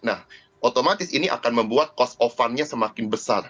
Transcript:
nah otomatis ini akan membuat cost of fundnya semakin besar